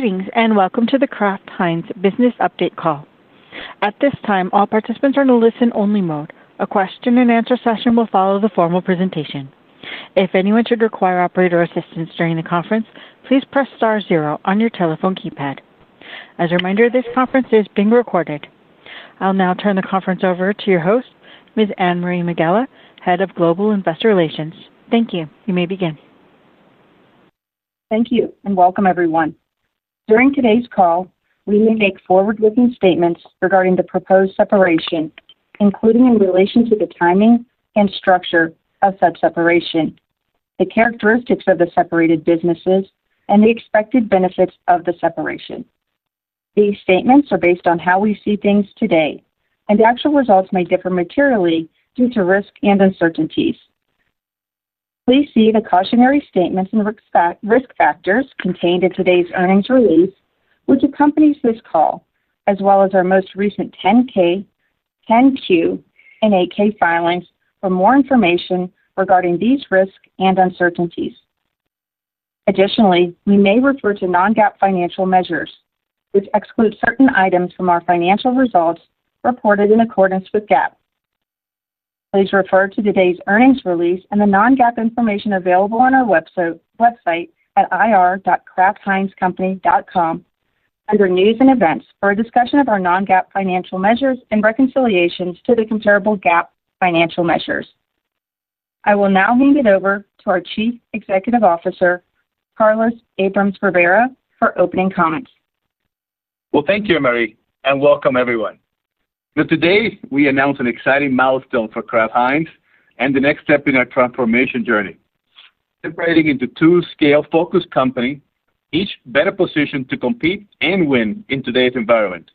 Greetings, and welcome to The Kraft Heinz Business Update Call. At this time, all participants are in a listen-only mode. A question and answer session will follow the formal presentation. If anyone should require operator assistance during the conference, please press star zero on your telephone keypad. As a reminder, this conference is being recorded. I'll now turn the conference over to your host, Ms. Anne-Marie Megela, Head of Global Investor Relations. Thank you. You may begin. Thank you, and welcome everyone. During today's call, we will make forward-looking statements regarding the proposed separation, including in relation to the timing and structure of separation, the characteristics of the separated businesses, and the expected benefits of the separation. These statements are based on how we see things today, and the actual results may differ materially due to risk and uncertainties. Please see the cautionary statements and risk factors contained in today's earnings release, which accompanies this call, as well as our most recent 10-K, 10-Q, and 8-K filings for more information regarding these risks and uncertainties. Additionally, we may refer to non-GAAP financial measures, which exclude certain items from our financial results reported in accordance with GAAP. Please refer to today's earnings release and the non-GAAP information available on our website at ir.kraftheinzcompany.com under news and events for a discussion of our non-GAAP financial measures and reconciliations to the comparable GAAP financial measures. I will now hand it over to our Chief Executive Officer, Carlos Abrams-Rivera, for opening comments. Thank you, Anne-Marie, and welcome everyone. Today, we announce an exciting milestone for The Kraft Heinz and the next step in our transformation journey, separating into two scale-focused companies, each better positioned to compete and win in today's environment.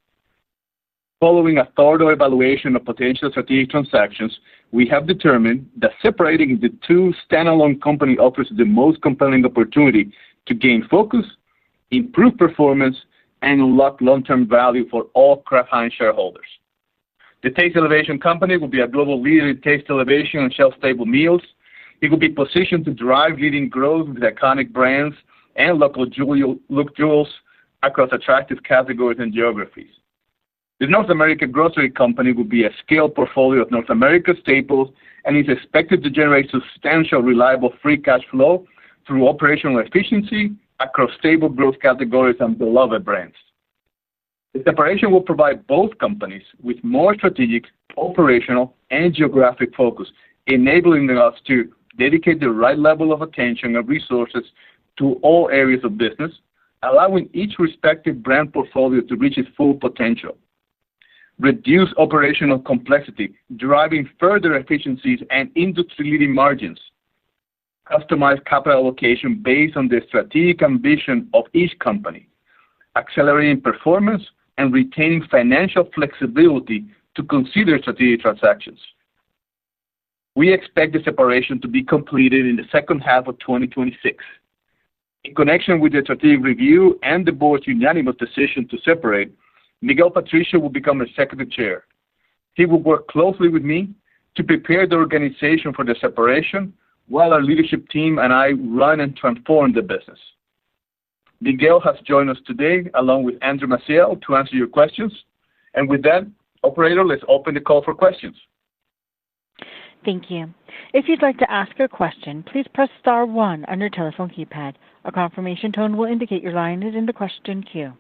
Following a thorough evaluation of potential strategic transactions, we have determined that separating into two standalone companies offers the most compelling opportunity to gain focus, improve performance, and unlock long-term value for all Kraft Heinz shareholders. The Global Taste Elevation Company will be a global leader in taste elevation and shelf-stable meals. It will be positioned to drive leading growth with iconic brands and local jewels across attractive categories and geographies. The North American Grocery Company will be a scaled portfolio of North America staples and is expected to generate substantial, reliable free cash flow through operational efficiency across stable growth categories and beloved brands. The separation will provide both companies with more strategic, operational, and geographic focus, enabling us to dedicate the right level of attention and resources to all areas of business, allowing each respective brand portfolio to reach its full potential. Reduced operational complexity drives further efficiencies and industry-leading margins. Customized capital allocation based on the strategic ambition of each company accelerates performance and retains financial flexibility to consider strategic transactions. We expect the separation to be completed in the second half of 2026. In connection with the strategic review and the Board's unanimous decision to separate, Miguel Patricio will become our Executive Chairman. He will work closely with me to prepare the organization for the separation while our leadership team and I run and transform the business. Miguel has joined us today along with Andre Maciel to answer your questions. With that, operator, let's open the call for questions. Thank you. If you'd like to ask your question, please press star one on your telephone keypad. A confirmation tone will indicate your line is in the question queue.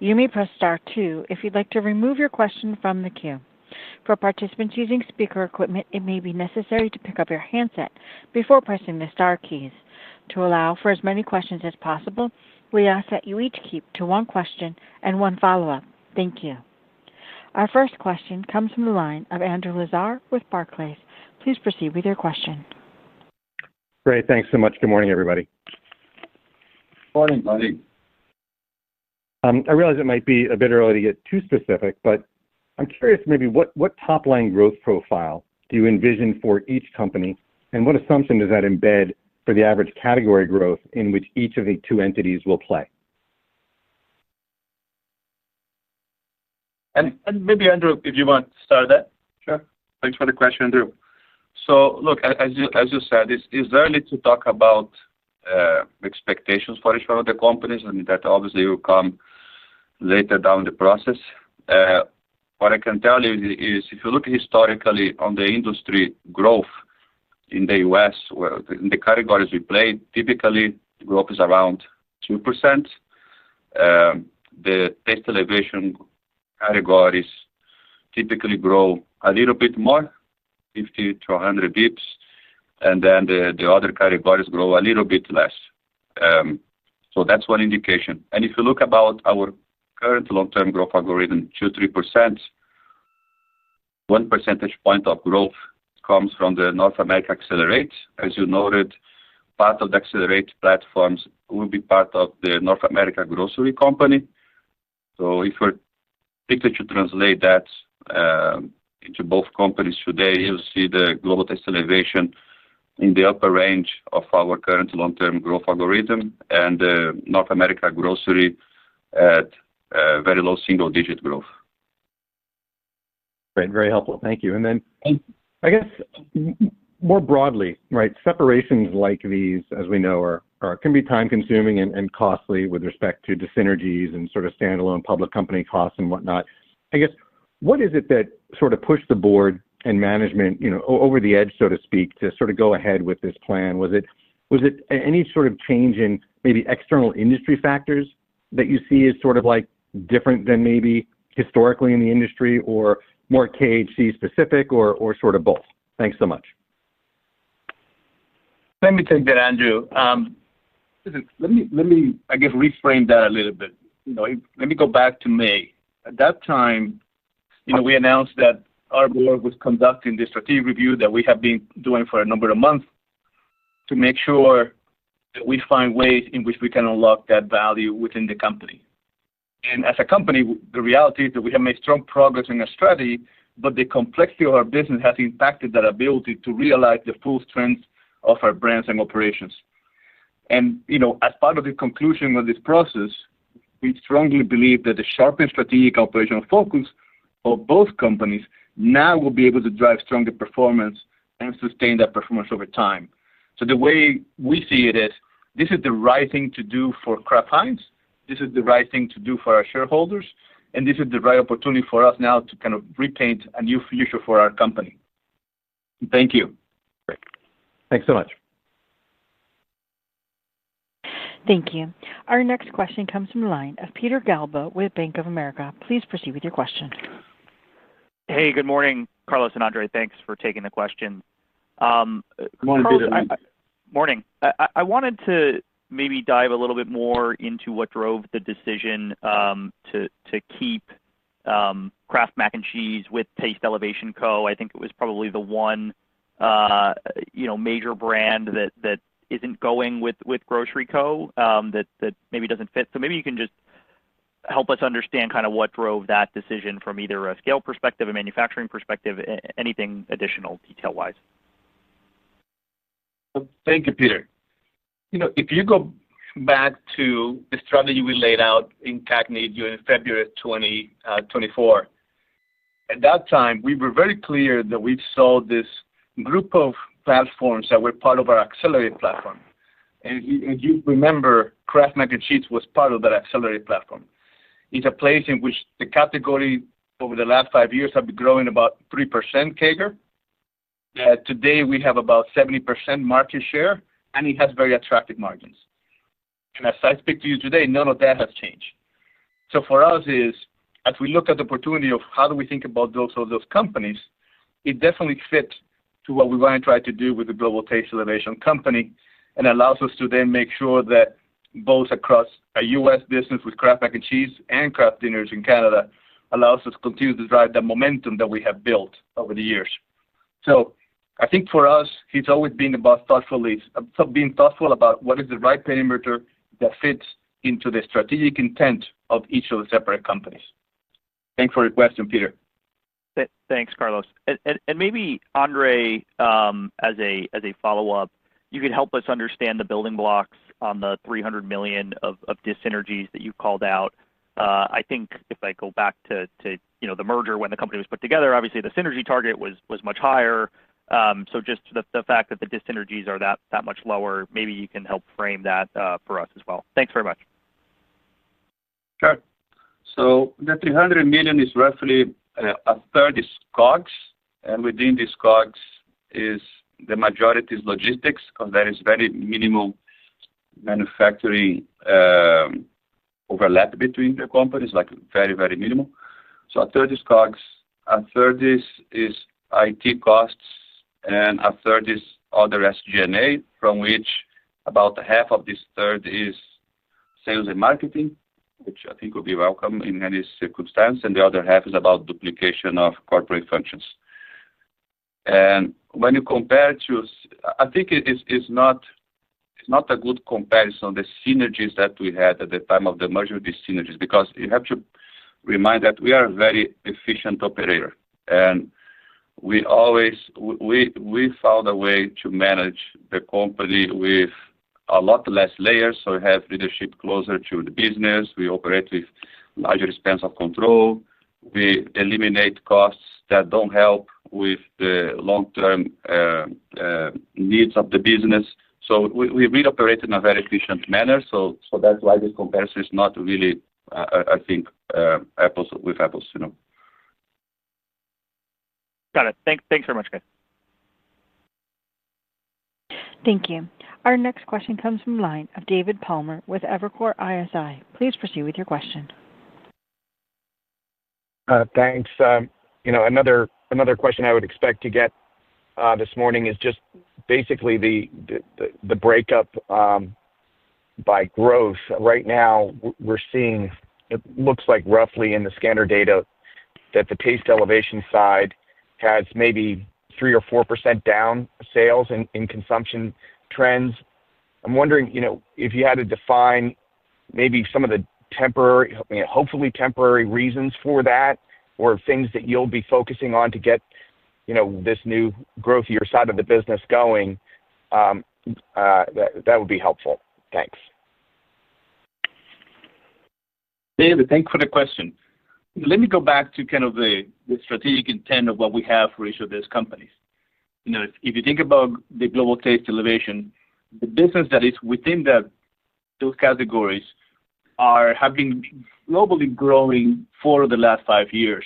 You may press star two if you'd like to remove your question from the queue. For participants using speaker equipment, it may be necessary to pick up your handset before pressing the star keys. To allow for as many questions as possible, we ask that you each keep to one question and one follow-up. Thank you. Our first question comes from the line of Andrew Lazar with Barclays. Please proceed with your question. Great, thanks so much. Good morning, everybody. Morning, buddy. I realize it might be a bit early to get too specific, but I'm curious maybe what top-line growth profile do you envision for each company, and what assumption does that embed for the average category growth in which each of the two entities will play? Maybe, Andre, if you want to start that. Sure. Thanks for the question, Andrew. Look, as you said, it's early to talk about expectations for each one of the companies and that obviously will come later down the process. What I can tell you is if you look historically on the industry growth in the U.S., in the categories we play, typically, growth is around 2%. The taste elevation categories typically grow a little bit more, 50bps-100 bps, and the other categories grow a little bit less. That's one indication. If you look at our current long-term growth algorithm, 2%-3%, one percentage point of growth comes from the North America accelerate. As you noted, part of the accelerate platforms will be part of the North American Grocery Company. If we were to translate that into both companies today, you'll see the Global Taste Elevation Company in the upper range of our current long-term growth algorithm and the North American Grocery Company at very low single-digit growth. Great. Very helpful. Thank you. I guess, more broadly, separations like these, as we know, can be time-consuming and costly with respect to the synergies and sort of standalone public company costs and whatnot. I guess, what is it that sort of pushed the board and management, you know, over the edge, so to speak, to sort of go ahead with this plan? Was it any sort of change in maybe external industry factors that you see as sort of like different than maybe historically in the industry or more Kraft Heinz Company specific or sort of both? Thanks so much. Let me take that, Andrew. Let me reframe that a little bit. Let me go back to May. At that time, you know, we announced that our board was conducting the strategic review that we have been doing for a number of months to make sure that we find ways in which we can unlock that value within the company. As a company, the reality is that we have made strong progress in our strategy, but the complexity of our business has impacted that ability to realize the full strength of our brands and operations. You know, as part of the conclusion of this process, we strongly believe that the sharpened strategic operational focus of both companies now will be able to drive stronger performance and sustain that performance over time. The way we see it, this is the right thing to do for The Kraft Heinz. This is the right thing to do for our shareholders, and this is the right opportunity for us now to kind of repaint a new future for our company. Thank you. Great, thanks so much. Thank you. Our next question comes from the line of Peter Galbo with Bank of America. Please proceed with your question. Hey, good morning, Carlos and Andre. Thanks for taking the question. Morning, Peter. Morning. I wanted to maybe dive a little bit more into what drove the decision to keep Kraft Mac & Cheese with Global Taste Elevation Company. I think it was probably the one, you know, major brand that isn't going with North American Grocery Company that maybe doesn't fit. Maybe you can just help us understand kind of what drove that decision from either a scale perspective, a manufacturing perspective, anything additional detail-wise. Thank you, Peter. If you go back to the strategy we laid out in CACNED in February of 2024, at that time, we were very clear that we saw this group of platforms that were part of our accelerated platform. If you remember, Kraft Mac & Cheese was part of that accelerated platform. It's a place in which the category over the last five years has been growing about 3% CAGR. Today, we have about 70% market share, and it has very attractive margins. As I speak to you today, none of that has changed. For us, as we look at the opportunity of how do we think about those companies, it definitely fits to what we want to try to do with the Global Taste Elevation Company and allows us to then make sure that both across a U.S. business with Kraft Mac & Cheese and Kraft Dinners in Canada allows us to continue to drive the momentum that we have built over the years. I think for us, it's always been about being thoughtful about what is the right perimeter that fits into the strategic intent of each of the separate companies. Thanks for your question, Peter. Thanks, Carlos. Maybe, Andre, as a follow-up, you can help us understand the building blocks on the $300 million of dis-synergies that you called out. I think if I go back to the merger when the company was put together, obviously, the synergy target was much higher. The fact that the dis-synergies are that much lower, maybe you can help frame that for us as well. Thanks very much. Sure. The $300 million is roughly a third COGS. Within this COGS, the majority is logistics because there is very minimal manufacturing overlap between the companies, like very, very minimal. A third is COGS, a third is IT costs, and a third is other SG&A, from which about half of this third is sales and marketing, which I think will be welcome in any circumstance. The other half is about duplication of corporate functions. When you compare to, I think it's not a good comparison, the synergies that we had at the time of the merger, the synergies, because you have to remind that we are a very efficient operator. We always found a way to manage the company with a lot less layers or have leadership closer to the business. We operate with larger spans of control. We eliminate costs that don't help with the long-term needs of the business. We really operate in a very efficient manner. That's why this comparison is not really, I think, apple to apple. Got it. Thanks very much, guys. Thank you. Our next question comes from the line of David Palmer with Evercore ISI. Please proceed with your question. Thanks. Another question I would expect to get this morning is just basically the breakup by growth. Right now, we're seeing, it looks like roughly in the scanner data that the taste elevation side has maybe 3% or 4% down sales and consumption trends. I'm wondering if you had to define maybe some of the temporary, hopefully temporary reasons for that or things that you'll be focusing on to get this new growth to your side of the business going, that would be helpful. Thanks. David, thanks for the question. Let me go back to kind of the strategic intent of what we have for each of these companies. If you think about the global taste elevation, the business that is within those categories has been globally growing for the last five years.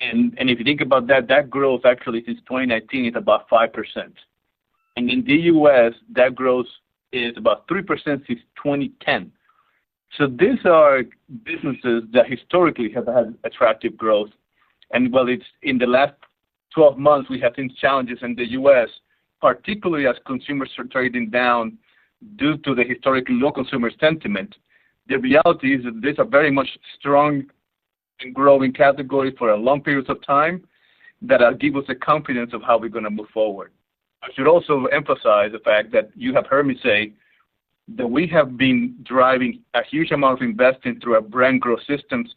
If you think about that, that growth actually since 2019 is about 5%. In the U.S., that growth is about 3% since 2010. These are businesses that historically have had attractive growth. While in the last 12 months, we have seen challenges in the U.S., particularly as consumers are trading down due to the historic low consumer sentiment, the reality is that these are very much strong and growing categories for a long period of time that give us the confidence of how we're going to move forward. I should also emphasize the fact that you have heard me say that we have been driving a huge amount of investing through our brand growth systems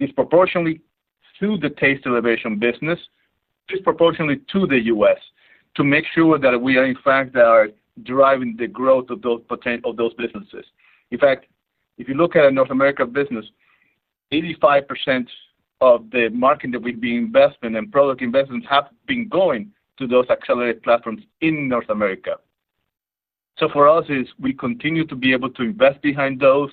disproportionately to the taste elevation business, disproportionately to the U.S., to make sure that we are, in fact, driving the growth of those potential businesses. In fact, if you look at a North America business, 85% of the market that we've been investing in and product investments have been going to those accelerated platforms in North America. For us, we continue to be able to invest behind those.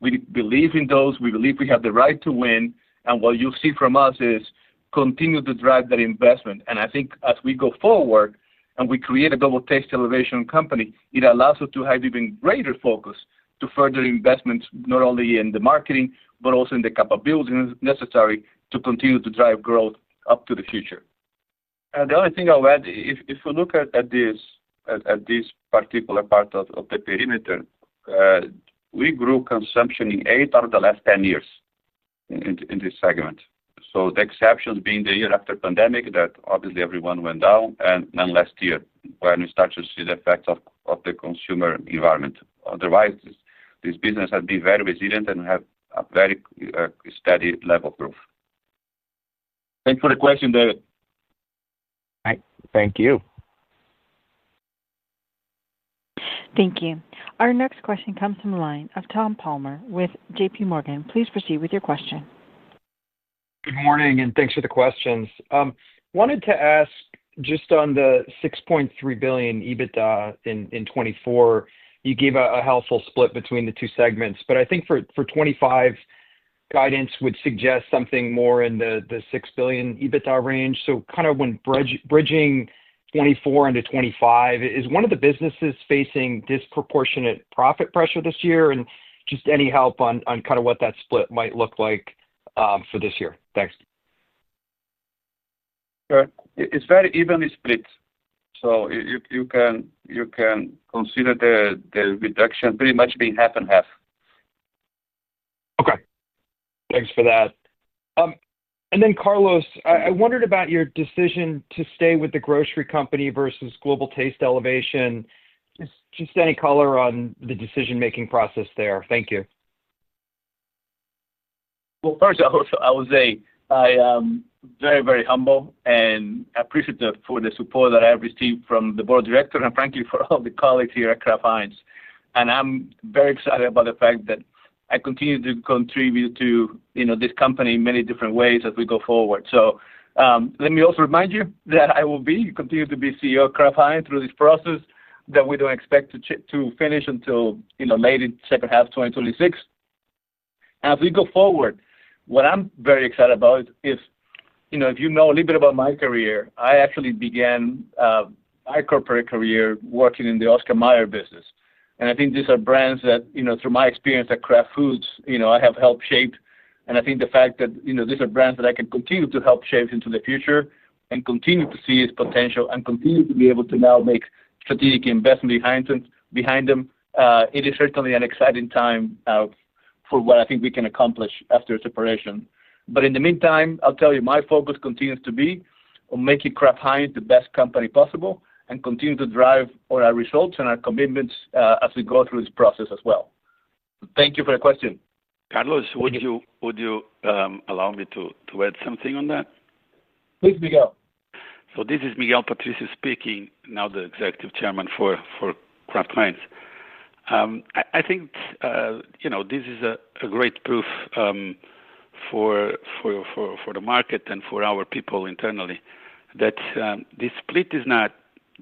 We believe in those. We believe we have the right to win. What you see from us is continue to drive that investment. I think as we go forward and we create a Global Taste Elevation Company, it allows us to have even greater focus to further investments not only in the marketing but also in the capabilities necessary to continue to drive growth up to the future. The only thing I'll add, if we look at this particular part of the perimeter, we grew consumption in eight out of the last 10 years in this segment. The exception being the year after the pandemic that obviously everyone went down and then last year when we started to see the effects of the consumer environment. Otherwise, this business has been very resilient and we have a very steady level of growth. Thanks for the question, David. Thank you. Thank you. Our next question comes from the line of Tom Palmer with JPMorgan. Please proceed with your question. Good morning, and thanks for the questions. I wanted to ask, just on the $6.3 billion EBITDA in 2024, you gave a helpful split between the two segments. I think for 2025, guidance would suggest something more in the $6 billion EBITDA range. When bridging 2024 into 2025, is one of the businesses facing disproportionate profit pressure this year? Any help on what that split might look like for this year. Thanks. It's very evenly split, so you can consider the reduction pretty much being half and half. Okay. Thanks for that. Carlos, I wondered about your decision to stay with the North American Grocery Company versus Global Taste Elevation Company. Just any color on the decision-making process there. Thank you. I am very, very humble and appreciative for the support that I have received from the Board of Directors and, frankly, for all the colleagues here at The Kraft Heinz. I'm very excited about the fact that I continue to contribute to this company in many different ways as we go forward. Let me also remind you that I will continue to be CEO of The Kraft Heinz through this process that we don't expect to finish until late in the second half of 2026. As we go forward, what I'm very excited about is, you know, if you know a little bit about my career, I actually began my corporate career working in the Oscar Mayer business. I think these are brands that, through my experience at Kraft Foods, I have helped shape. I think the fact that these are brands that I can continue to help shape into the future and continue to see its potential and continue to be able to now make strategic investments behind them, it is certainly an exciting time for what I think we can accomplish after a separation. In the meantime, I'll tell you, my focus continues to be on making The Kraft Heinz the best company possible and continue to drive on our results and our commitments as we go through this process as well. Thank you for your question. Carlos, would you allow me to add something on that? Please, Miguel. This is Miguel Patricio speaking, now the Executive Chairman for The Kraft Heinz Company. I think this is a great proof for the market and for our people internally that this split is not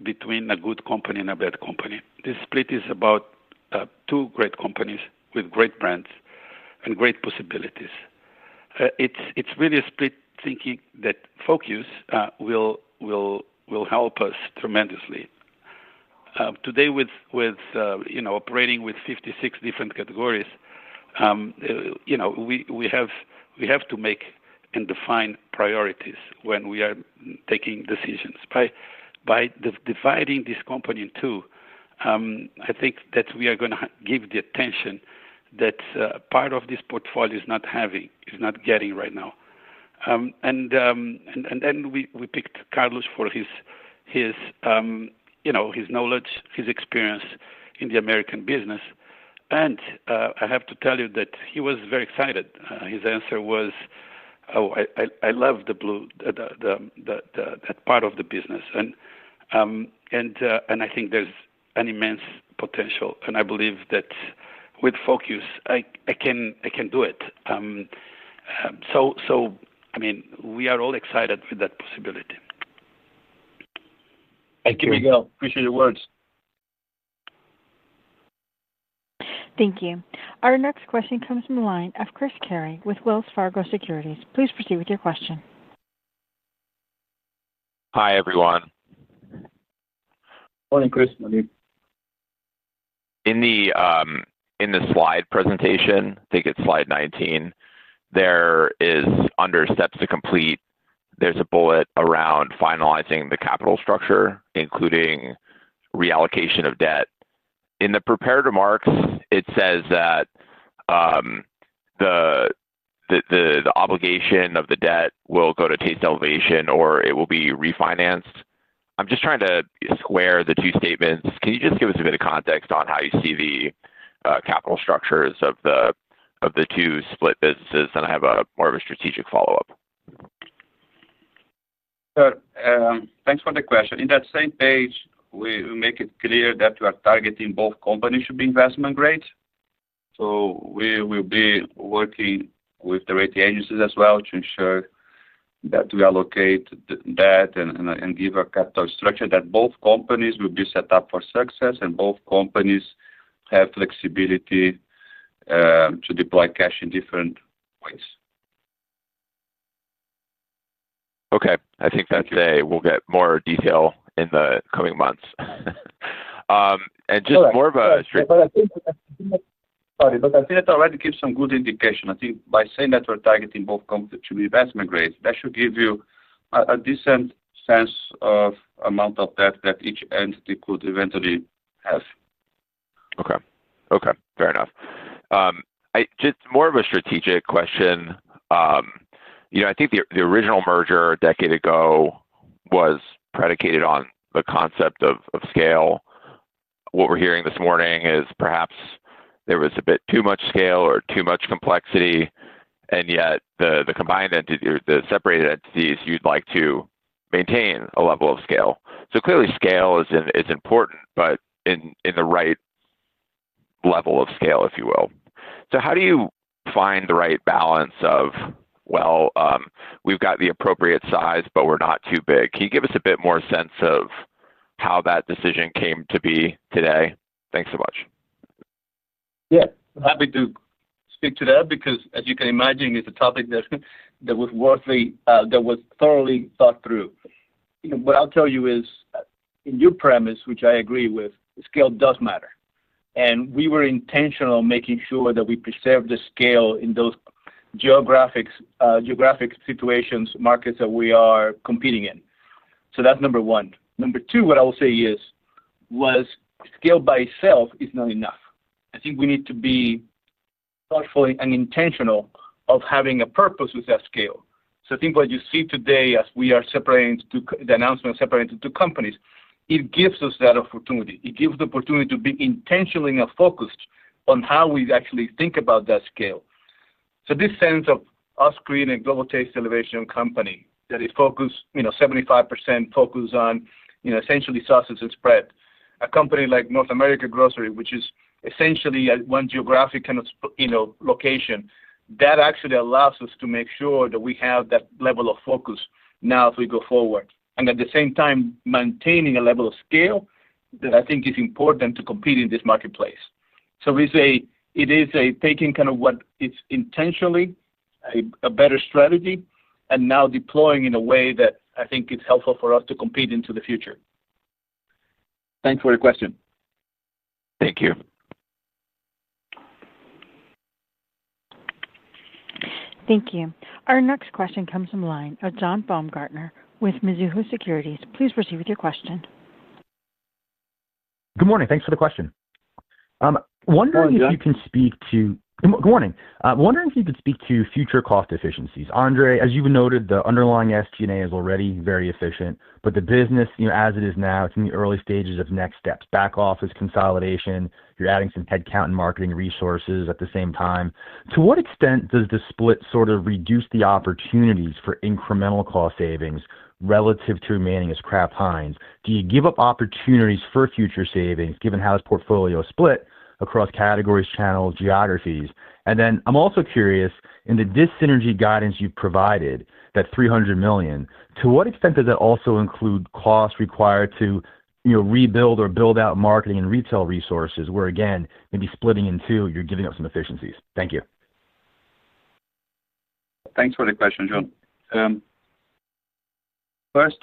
between a good company and a bad company. This split is about two great companies with great brands and great possibilities. It's really a split thinking that focus will help us tremendously. Today, operating with 56 different categories, we have to make and define priorities when we are taking decisions. By dividing this company in two, I think that we are going to give the attention that part of this portfolio is not having, is not getting right now. We picked Carlos for his knowledge, his experience in the American business. I have to tell you that he was very excited. His answer was, "Oh, I love that part of the business." I think there's an immense potential. I believe that with focus, I can do it. We are all excited with that possibility. Thank you, Miguel. Appreciate your words. Thank you. Our next question comes from the line of Chris Carey with Wells Fargo Securities. Please proceed with your question. Hi, everyone. Morning, Chris. In the slide presentation, I think it's slide 19, there is under steps to complete, there's a bullet around finalizing the capital structure, including reallocation of debt. In the prepared remarks, it says that the obligation of the debt will go to taste elevation or it will be refinanced. I'm just trying to square the two statements. Can you just give us a bit of context on how you see the capital structures of the two split businesses? I have more of a strategic follow-up. Thanks for the question. In that same page, we make it clear that we are targeting both companies should be investment-grade. We will be working with the rating agencies as well to ensure that we allocate that and give a capital structure that both companies will be set up for success, and both companies have flexibility to deploy cash in different ways. Okay. I think that's a, we'll get more detail in the coming months. Just more of a strict. I think that already gives some good indication. I think by saying that we're targeting both companies to be investment-grade, that should give you a decent sense of the amount of debt that each entity could eventually have. Okay. Fair enough. I just have more of a strategic question. I think the original merger a decade ago was predicated on the concept of scale. What we're hearing this morning is perhaps there was a bit too much scale or too much complexity, and yet the combined entity or the separated entities, you'd like to maintain a level of scale. Clearly, scale is important, but in the right level of scale, if you will. How do you find the right balance of, well, we've got the appropriate size, but we're not too big? Can you give us a bit more sense of how that decision came to be today? Thanks so much. Yeah. I'm happy to speak to that because, as you can imagine, it's a topic that was thoroughly thought through. What I'll tell you is, in your premise, which I agree with, scale does matter. We were intentional in making sure that we preserve the scale in those geographic situations, markets that we are competing in. That's number one. Number two, what I will say is, scale by itself is not enough. I think we need to be thoughtful and intentional of having a purpose with that scale. I think what you see today as we are separating the announcement, separating the two companies, it gives us that opportunity. It gives the opportunity to be intentionally focused on how we actually think about that scale. This sense of us creating a Global Taste Elevation Company that is focused, you know, 75% focused on, you know, essentially sausage and spread, a company like North American Grocery, which is essentially one geographic kind of, you know, location, that actually allows us to make sure that we have that level of focus now as we go forward. At the same time, maintaining a level of scale that I think is important to compete in this marketplace. It is a taking kind of what is intentionally a better strategy and now deploying in a way that I think is helpful for us to compete into the future. Thanks for your question. Thank you. Thank you. Our next question comes from the line of John Baumgartner with Mizuho Securities. Please proceed with your question. Good morning. Thanks for the question. I'm wondering if you can speak to future cost efficiencies. Andre, as you've noted, the underlying SG&A is already very efficient, but the business, as it is now, is in the early stages of next steps. Back office consolidation, you're adding some headcount and marketing resources at the same time. To what extent does this split sort of reduce the opportunities for incremental cost savings relative to remaining as The Kraft Heinz? Do you give up opportunities for future savings given how this portfolio is split across categories, channels, geographies? I'm also curious, in the dis-synergy guidance you provided, that $300 million, to what extent does that also include costs required to rebuild or build out marketing and retail resources where, again, maybe splitting in two, you're giving up some efficiencies? Thank you. Thanks for the question, John. First,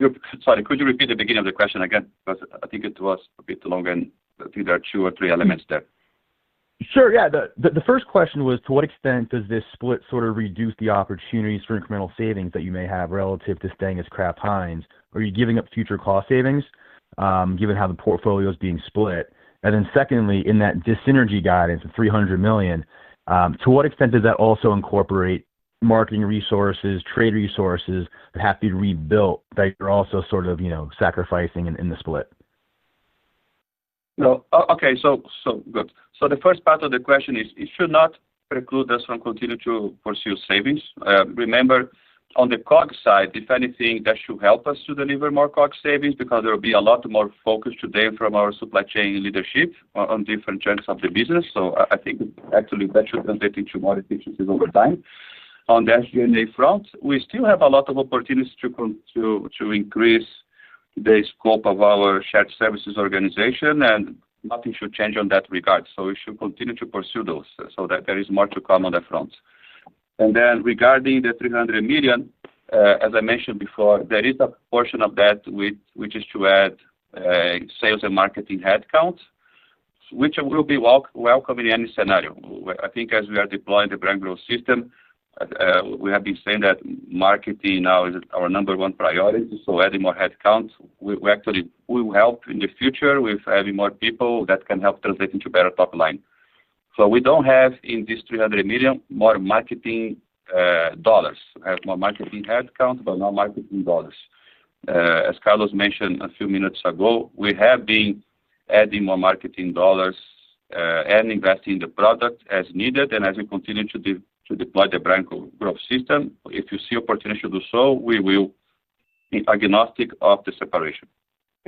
could you repeat the beginning of the question again? I think it was a bit too long and I think there are two or three elements there. Sure. The first question was, to what extent does this split sort of reduce the opportunities for incremental savings that you may have relative to staying as The Kraft Heinz? Are you giving up future cost savings given how the portfolio is being split? Secondly, in that dis-synergy guidance of $300 million, to what extent does that also incorporate marketing resources, trade resources that have to be rebuilt that you're also sort of sacrificing in the split? Okay. The first part of the question is, it should not preclude us from continuing to pursue savings. Remember, on the COGS side, if anything, that should help us to deliver more COGS savings because there will be a lot more focus today from our supply chain leadership on different trends of the business. I think actually that should contribute to more efficiencies over time. On the SG&A front, we still have a lot of opportunities to increase the scope of our shared services organization, and nothing should change in that regard. We should continue to pursue those so that there is more to come on that front. Regarding the $300 million, as I mentioned before, there is a portion of that which is to add sales and marketing headcount, which will be welcome in any scenario. I think as we are deploying the brand growth system, we have been saying that marketing now is our number one priority. Adding more headcount will help in the future with having more people that can help translate into better top line. We don't have, in this $300 million, more marketing dollars. We have more marketing headcount, but not marketing dollars. As Carlos Abrams-Rivera mentioned a few minutes ago, we have been adding more marketing dollars and investing in the product as needed. As we continue to deploy the brand growth system, if you see opportunities to do so, we will be agnostic of the separation.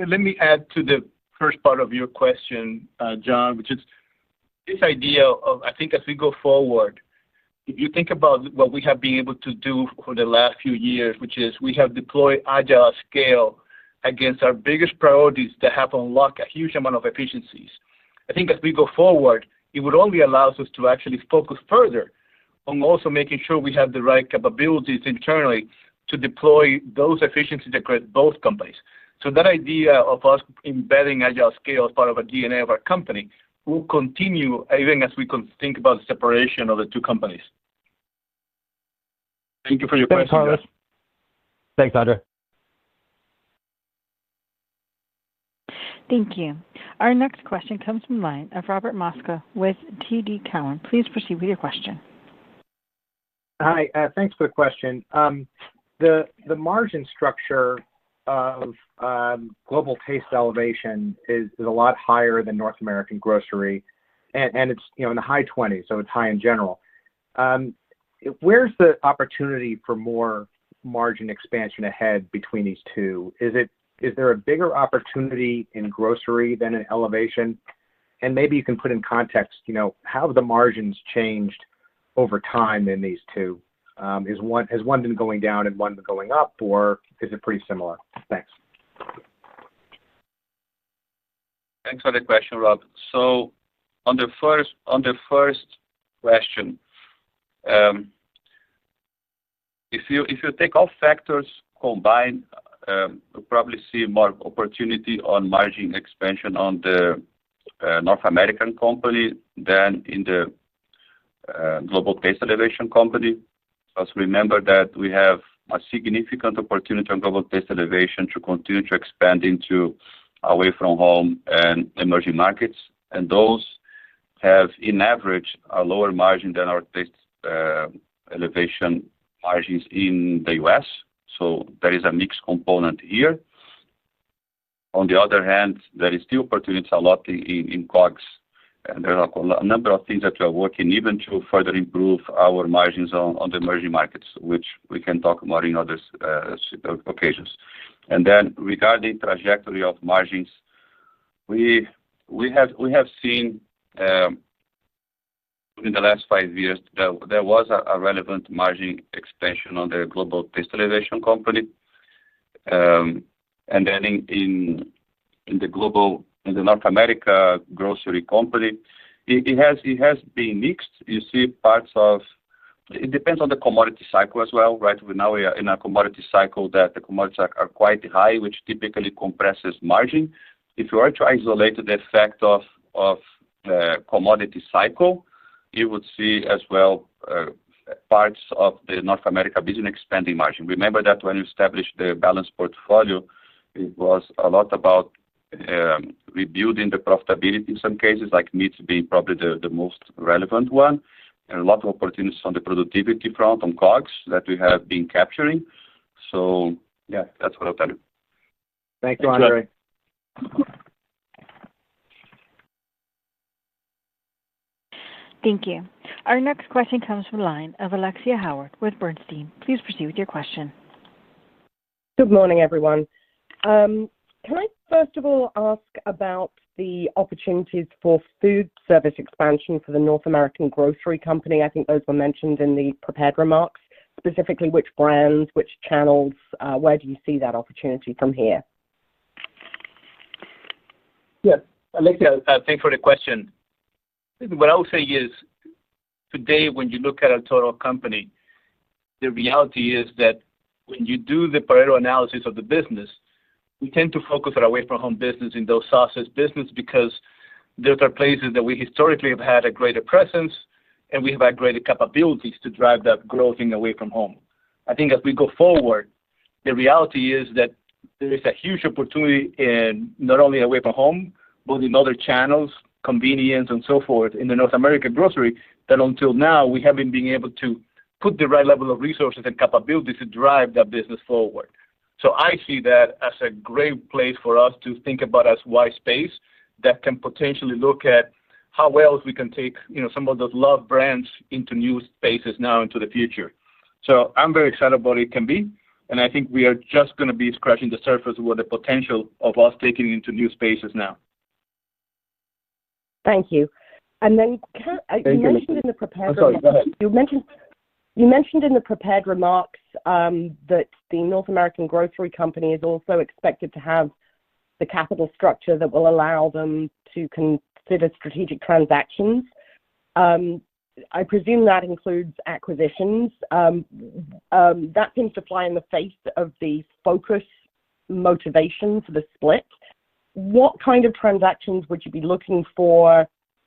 Let me add to the first part of your question, John, which is this idea of, I think, as we go forward, if you think about what we have been able to do for the last few years, which is we have deployed agile scale against our biggest priorities that have unlocked a huge amount of efficiencies. I think as we go forward, it would only allow us to actually focus further on also making sure we have the right capabilities internally to deploy those efficiencies across both companies. That idea of us embedding agile scale as part of our DNA of our company will continue even as we think about the separation of the two companies. Thank you for your question. Thanks, Carlos. Thanks, Andre. Thank you. Our next question comes from the line of Robert Mosca with TD Cowen. Please proceed with your question. Hi. Thanks for the question. The margin structure of Global Taste Elevation is a lot higher than North American Grocery, and it's, you know, in the high 20s, so it's high in general. Where's the opportunity for more margin expansion ahead between these two? Is there a bigger opportunity in Grocery than in Elevation? Maybe you can put in context, you know, how have the margins changed over time in these two? Has one been going down and one been going up, or is it pretty similar? Thanks. Thanks for the question, Rob. On the first question, if you take all factors combined, you'll probably see more opportunity on margin expansion on the North American Grocery Company than in the Global Taste Elevation Company. Remember that we have a significant opportunity on Global Taste Elevation to continue to expand into away-from-home and emerging markets. Those have, on average, a lower margin than our taste elevation margins in the U.S. There is a mix component here. On the other hand, there is still opportunity a lot in COGS. There are a number of things that we are working even to further improve our margins on the emerging markets, which we can talk about on other occasions. Regarding the trajectory of margins, we have seen in the last five years that there was a relevant margin expansion on the Global Taste Elevation Company. In the North American Grocery Company, it has been mixed. Parts of it depend on the commodity cycle as well, right? Now we are in a commodity cycle where the commodities are quite high, which typically compresses margin. If you were to isolate the effect of the commodity cycle, you would see as well parts of the North America business expanding margin. Remember that when we established the balanced portfolio, it was a lot about rebuilding the profitability in some cases, like meats being probably the most relevant one. There are a lot of opportunities on the productivity front on COGS that we have been capturing. That's what I'll tell you. Thank you, Andre. Thank you. Our next question comes from the line of Alexia Howard with Bernstein. Please proceed with your question. Good morning, everyone. Can I, first of all, ask about the opportunities for food service expansion for the North American Grocery Company? I think those were mentioned in the prepared remarks. Specifically, which brands, which channels, where do you see that opportunity from here? Yeah. Alexia, thanks for the question. What I'll say is, today, when you look at a total company, the reality is that when you do the parental analysis of the business, we tend to focus on our away-from-home business in those sauces businesses because those are places that we historically have had a greater presence, and we have had greater capabilities to drive that growth in away-from-home. I think as we go forward, the reality is that there is a huge opportunity in not only away-from-home, but in other channels, convenience, and so forth in the North American grocery that until now we haven't been able to put the right level of resources and capabilities to drive that business forward. I see that as a great place for us to think about as a wide space that can potentially look at how else we can take, you know, some of those love brands into new spaces now into the future. I'm very excited about it can be. I think we are just going to be scratching the surface of what the potential of us taking into new spaces now. Thank you. You mentioned in the prepared remarks. I'm sorry. Go ahead. You mentioned in the prepared remarks that the North American Grocery Company is also expected to have the capital structure that will allow them to consider strategic transactions. I presume that includes acquisitions. That seems to fly in the face of the focus motivation for the split. What kind of transactions would you be looking for?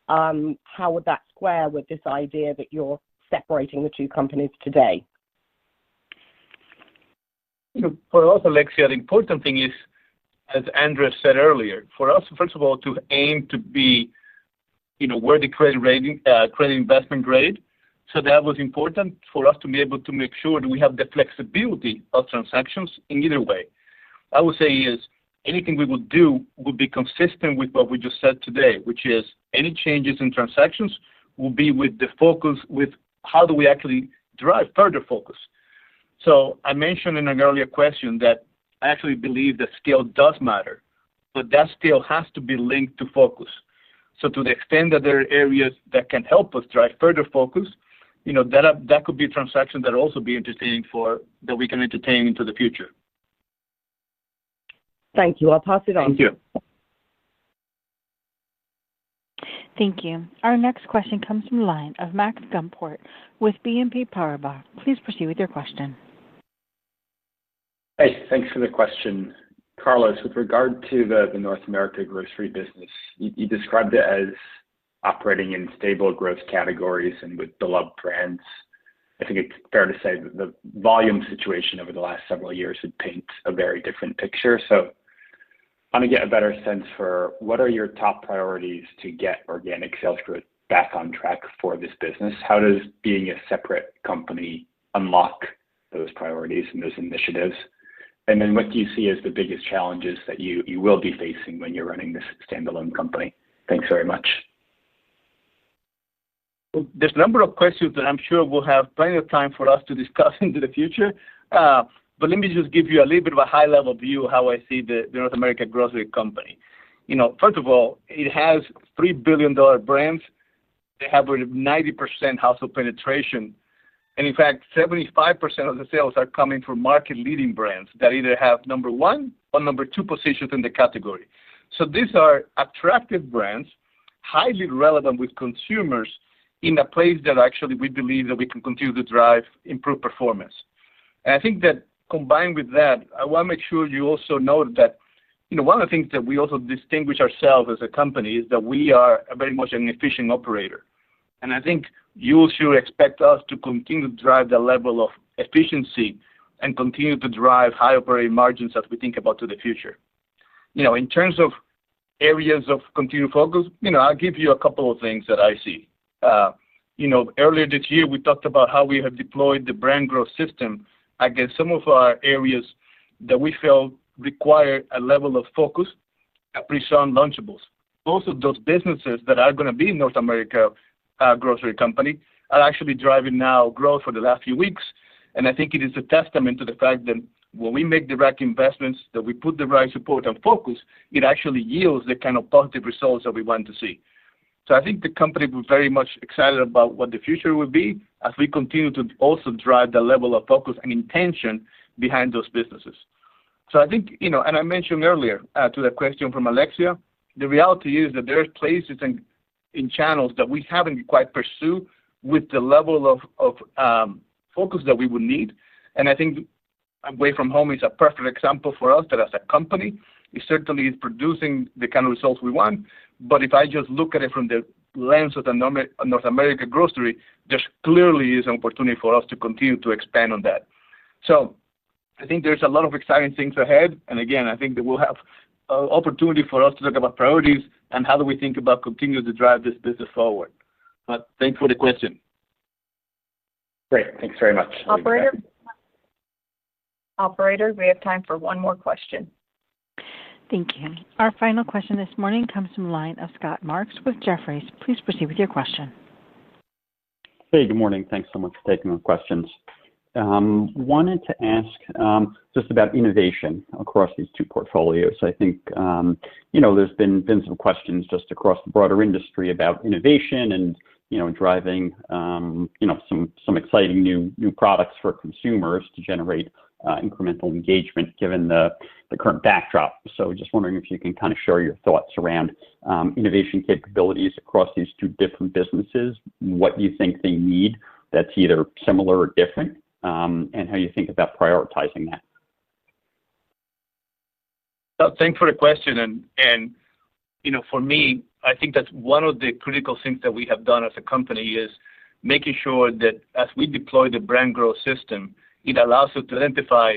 How would that square with this idea that you're separating the two companies today? For us, Alexia, the important thing is, as Andre said earlier, for us, first of all, to aim to be, you know, where the credit rating, credit investment grade. That was important for us to be able to make sure that we have the flexibility of transactions in either way. I would say anything we would do would be consistent with what we just said today, which is any changes in transactions will be with the focus on how do we actually drive further focus. I mentioned in an earlier question that I actually believe that scale does matter, but that scale has to be linked to focus. To the extent that there are areas that can help us drive further focus, that could be a transaction that would also be interesting for us to entertain in the future. Thank you. I'll pass it on. Thank you. Thank you. Our next question comes from the line of Max Gumport with BNP Paribas. Please proceed with your question. Thanks for the question. Carlos, with regard to the North American Grocery, you described it as operating in stable growth categories and with beloved brands. I think it's fair to say that the volume situation over the last several years had painted a very different picture. I want to get a better sense for what are your top priorities to get organic sales growth back on track for this business. How does being a separate company unlock those priorities and those initiatives? What do you see as the biggest challenges that you will be facing when you're running this standalone company? Thanks very much. There are a number of questions that I'm sure we'll have plenty of time for us to discuss into the future. Let me just give you a little bit of a high-level view of how I see the North American Grocery Company. First of all, it has $3 billion brands. They have a 90% household penetration. In fact, 75% of the sales are coming from market-leading brands that either have number one or number two positions in the category. These are attractive brands, highly relevant with consumers in a place that actually we believe that we can continue to drive improved performance. I think that combined with that, I want to make sure you also know that one of the things that we also distinguish ourselves as a company is that we are very much an efficient operator. I think you should expect us to continue to drive that level of efficiency and continue to drive high operating margins as we think about the future. In terms of areas of continued focus, I'll give you a couple of things that I see. Earlier this year, we talked about how we have deployed the brand growth system against some of our areas that we felt require a level of focus, a Preshown Lunchables. Also, those businesses that are going to be in North American Grocery Company are actually driving now growth for the last few weeks. I think it is a testament to the fact that when we make the right investments, that we put the right support and focus, it actually yields the kind of positive results that we want to see. I think the company will be very much excited about what the future will be as we continue to also drive that level of focus and intention behind those businesses. I mentioned earlier to the question from Alexia, the reality is that there are places and in channels that we haven't quite pursued with the level of focus that we would need. I think away-from-home is a perfect example for us that as a company, it certainly is producing the kind of results we want. If I just look at it from the lens of the North American Grocery, there clearly is an opportunity for us to continue to expand on that. There are a lot of exciting things ahead. I think that we'll have an opportunity for us to talk about priorities and how do we think about continuing to drive this business forward. Thanks for the question. Great, thanks very much. Operator, we have time for one more question. Thank you. Our final question this morning comes from the line of Scott Marks with Jefferies. Please proceed with your question. Good morning. Thanks so much for taking the questions. I wanted to ask about innovation across these two portfolios. There have been some questions across the broader industry about innovation and driving some exciting new products for consumers to generate incremental engagement given the current backdrop. I am wondering if you can share your thoughts around innovation capabilities across these two different businesses, what you think they need that's either similar or different, and how you think about prioritizing that. Thanks for the question. For me, I think that one of the critical things that we have done as a company is making sure that as we deploy the brand growth system, it allows us to identify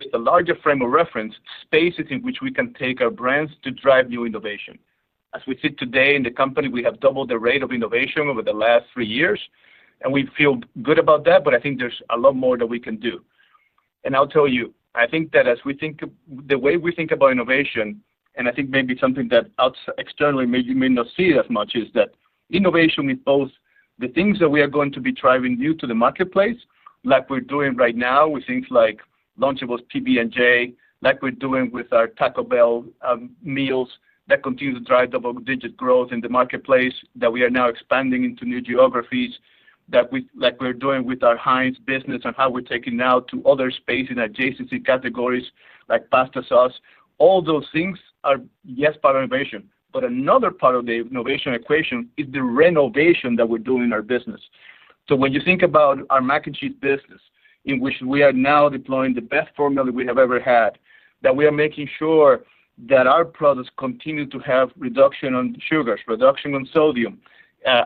with a larger frame of reference, spaces in which we can take our brands to drive new innovation. As we see today in the company, we have doubled the rate of innovation over the last three years, and we feel good about that. I think there's a lot more that we can do. I think that as we think the way we think about innovation, and I think maybe something that externally may not see as much, is that innovation in both the things that we are going to be driving new to the marketplace, like we're doing right now with things like Lunchables, PB&J, like we're doing with our Taco Bell meals that continue to drive double-digit growth in the marketplace, that we are now expanding into new geographies, that we're doing with our Heinz business and how we're taking now to other spaces in adjacency categories like pasta sauce. All those things are, yes, part of innovation, but another part of the innovation equation is the renovation that we're doing in our business. When you think about our Mac and Cheese business, in which we are now deploying the best formula we have ever had, that we are making sure that our products continue to have reduction on sugars, reduction on sodium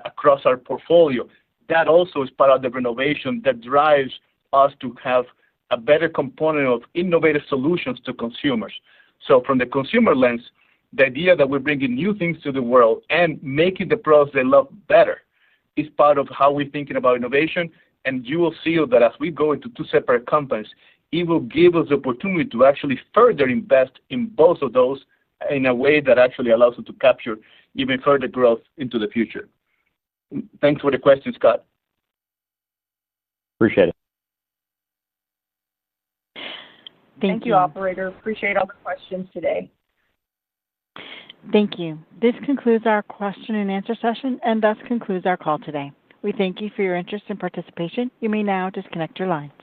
across our portfolio, that also is part of the renovation that drives us to have a better component of innovative solutions to consumers. From the consumer lens, the idea that we're bringing new things to the world and making the products a lot better is part of how we're thinking about innovation. You will see that as we go into two separate companies, it will give us the opportunity to actually further invest in both of those in a way that actually allows us to capture even further growth into the future. Thanks for the question, Scott. Appreciate it. Thank you, Operator. Appreciate all the questions today. Thank you. This concludes our question and answer session, and thus concludes our call today. We thank you for your interest and participation. You may now disconnect your lines.